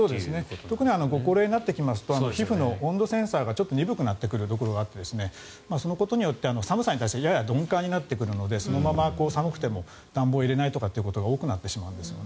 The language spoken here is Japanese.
特にご高齢になってくると皮膚の温度センサーがちょっと鈍くなってくるところがあって、そのことで寒さに対してやや鈍感になってくるのでそのまま寒くても暖房を入れないということが多くなってしまうんですね。